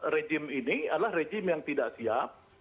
rejim ini adalah rejim yang tidak siap